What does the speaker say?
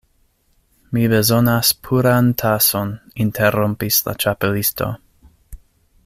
"Mi bezonas puran tason," interrompis la Ĉapelisto.